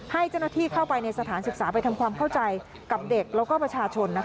ให้เจ้าหน้าที่เข้าไปในสถานศึกษาไปทำความเข้าใจกับเด็กแล้วก็ประชาชน